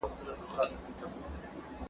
رسول الله پدې اړه خورا ژوري لارښووني کړي دي.